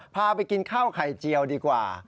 พาไปกินข้าวไข่เจียวดีกว่า